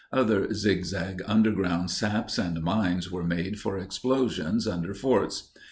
Other zigzag underground saps and mines were made for explosion under forts.